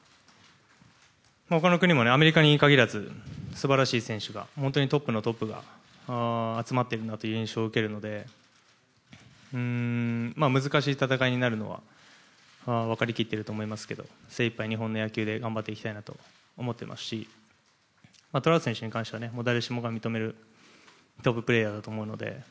他の国もアメリカに限らず素晴らしい選手がトップのトップが集まっているんだという印象を受けるので難しい戦いになるのは分かりきっていると思いますけど精いっぱい、日本の野球で頑張っていきたいなと思っていますしトラウト選手に関しては誰しもが認めるトッププレーヤーだと思うので。